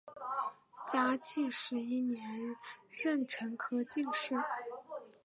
嘉靖十一年壬辰科进士。